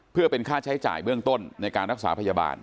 เพื่อเป็นค่าใช้จ่ายเบื้องต้นในการรักษาพยาบาล